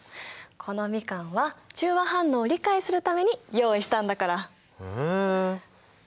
このみかんは中和反応を理解するために用意したんだから。